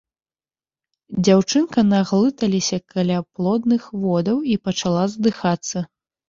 Дзяўчынка наглыталіся каляплодных водаў і пачала задыхацца.